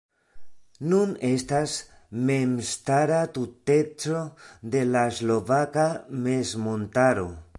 Nun estas memstara tuteco de la Slovaka Mezmontaro.